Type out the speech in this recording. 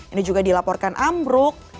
ini juga dilaporkan amruk